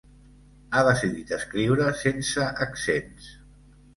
Ha decidit escriure sense accents.